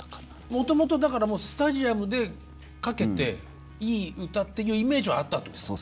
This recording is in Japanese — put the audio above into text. もともとだからスタジアムでかけていい歌っていうイメージはあったんですか？